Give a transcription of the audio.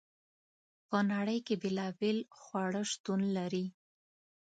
په نړۍ کې بیلابیل خواړه شتون لري.